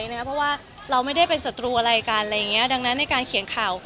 เพราะว่าเราไม่ได้เป็นศัตรูอะไรกันดังนั้นในการเขียนข่าว